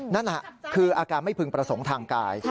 นั่นแหละคืออาการไม่พึงประสงค์ทางกาย